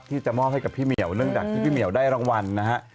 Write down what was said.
ที่จะมอบให้กับพี่เหมียวเนื่องจากที่พี่เหมียวได้รางวัลนะฮะ